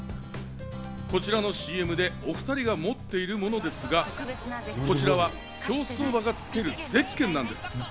こちらのＣＭで、お２人が持っているものですが、こちらは競走馬がつけるゼッケンなんです。